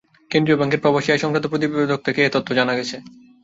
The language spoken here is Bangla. কেন্দ্রীয় ব্যাংকের প্রবাসী আয় সংক্রান্ত প্রতিবেদন থেকে এ তথ্য জানা গেছে।